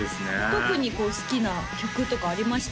特に好きな曲とかありました？